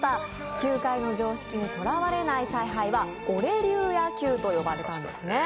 球界の常識にとらわれない采配はオレ流野球と呼ばれたんですね。